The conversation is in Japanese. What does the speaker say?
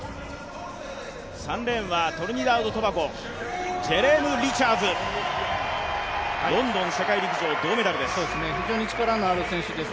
３レーンはトリニダード・トバゴジェレーム・リチャーズロンドン世界陸上銅メダルです。